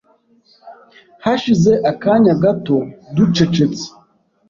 Hashize akanya gato ducecetse